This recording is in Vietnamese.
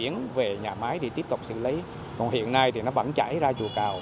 nhà máy thì tiếp tục xử lý còn hiện nay thì nó vẫn chảy ra chùa cầu